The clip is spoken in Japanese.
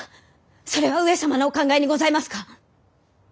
それは上様のお考えにございますか！？